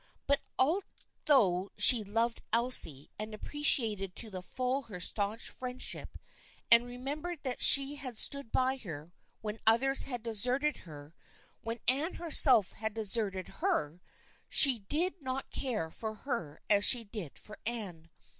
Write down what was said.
But although she loved Elsie, and appreciated to the full her staunch friendship, and remembered that she had stood by her when others had deserted her, when Anne herself had deserted her, she did not care for her as she did for Anne.